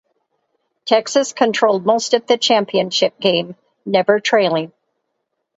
Texas controlled most of the championship game, never trailing.